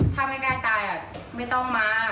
ถ้าไม่ไกลตายอ่ะไม่ต้องม้า